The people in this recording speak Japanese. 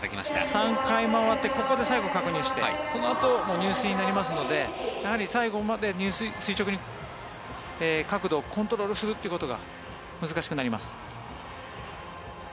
３回回ってここで最後確認してそのあと入水になりますのでやはり最後まで入水垂直に角度をコントロールするということが難しくなります。